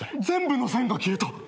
全部の線が消えた。